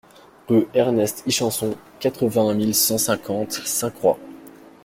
Rue Ernest Ichanson, quatre-vingt-un mille cent cinquante Sainte-Croix